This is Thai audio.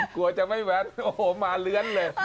กลัวจะไม่แวะโอ้โหมาเลื้อนเลย